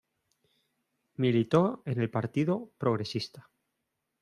Militó en el partido Progresista.